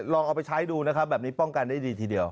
ลองเอาไปใช้ดูนะครับแบบนี้ป้องกันได้ดีทีเดียว